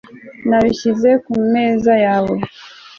nabishyize kumeza yawe